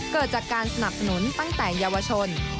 เกิดจากการสนับสนุนตั้งแต่เยาวชน